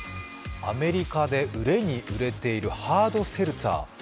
アメリカで売れに売れているハードセルツァー。